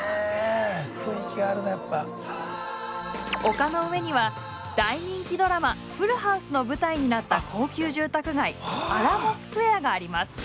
丘の上には大人気ドラマ「フルハウス」の舞台になった高級住宅街アラモ・スクエアがあります。